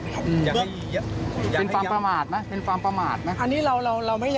อยากให้เป็นความประมาทไหม